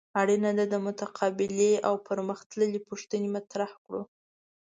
اړینه ده متقابلې او پرمخ تللې پوښتنې مطرح کړو.